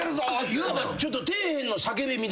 いわばちょっと。